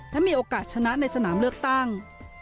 และมีโอกาสชนะในสนามเลือกตั้ง